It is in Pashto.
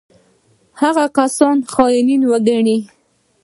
هغه کسان خاینان وګڼي.